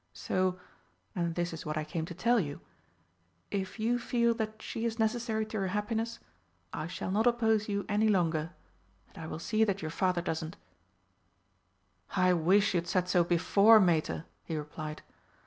So and this is what I came to tell you if you feel that she is necessary to your happiness, I shall not oppose you any longer and I will see that your father doesn't." "I wish you'd said so before, Mater!" he replied.